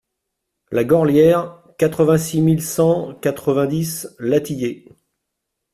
La Gorlière, quatre-vingt-six mille cent quatre-vingt-dix Latillé